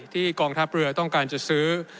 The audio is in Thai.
กองทัพเรือต้องการจะซื้อ